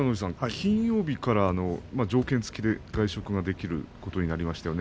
金曜日から条件付きで外出ができることになりましたね